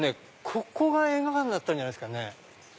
ここが映画館だったんじゃないですかね。